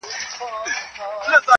o او فضا غمجنه ښکاري ډېر,